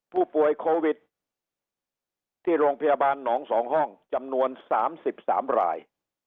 ผู้ป่วยโควิดที่โรงพยาบาลหนอง๒ห้องจำนวน๓๓ราย